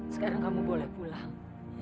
sekarang kamu boleh pulang